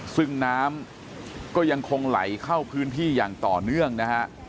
ซึ่งน้ำก็ยังคงไหลเข้าพื้นที่อย่างต่อเนื่องนะฮะ